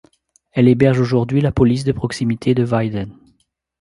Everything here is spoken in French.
Elle héberge aujourd'hui la police de proximité de Weiden.